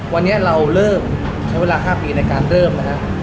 วันนี้เราเริ่มใช้เวลา๕ปีในการเริ่มนะครับ